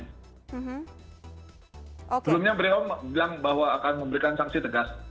sebelumnya beliau bilang bahwa akan memberikan sanksi tegas